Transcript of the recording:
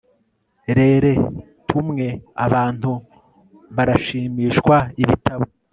rere tumwe abantu barashimishwaibitabo